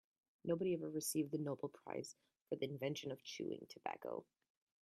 Nobody ever received the Nobel prize for the invention of chewing tobacco.